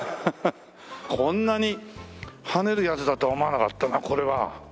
こんなに跳ねるやつだとは思わなかったなこれは。